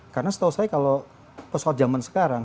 karena setahu saya kalau pesawat zaman sekarang